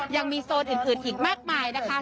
ยังมีโซนอื่นอีกมากมายนะคะ